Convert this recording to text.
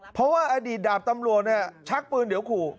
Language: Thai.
เพราะว่าอดีตดาบตำรวจชักปืนเดี๋ยวขู่